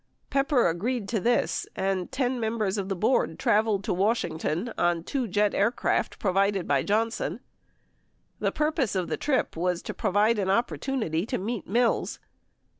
Pepper agreed to this and 10 members of the board traveled to Washington on two jet aircraft provided by Johnson. The purpose of the trip was to provide an opportunity to meet Mills.